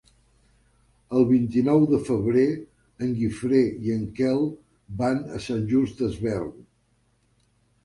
El vint-i-nou de febrer en Guifré i en Quel van a Sant Just Desvern.